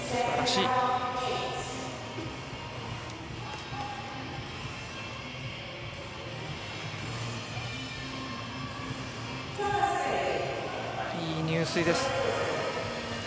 いい入水です。